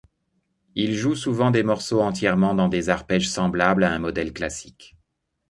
Il joue souvent des morceaux entièrement dans des arpèges semblables à un modèle classique.